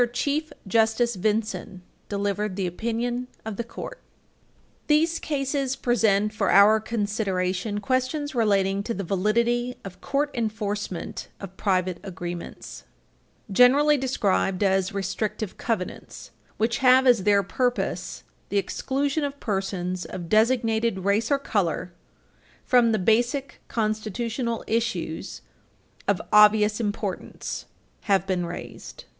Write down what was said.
CHIEF JUSTICE VINSON delivered the opinion of the Court. These cases present for our consideration questions relating to the validity of court enforcement of private agreements, generally described as restrictive covenants, which have as their purpose the exclusion of persons of designated race or color from the ownership or occupancy of real property. Basic constitutional issues of obvious importance have been raised.